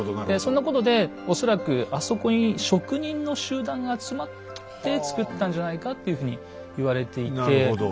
そんなことで恐らくあそこに職人の集団が集まってつくったんじゃないかっていうふうに言われていて。